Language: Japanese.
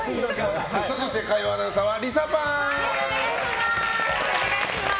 そして火曜アナウンサーはリサパン！